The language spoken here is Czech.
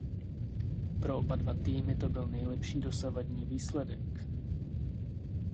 Pro oba týmy to byl nejlepší dosavadní výsledek.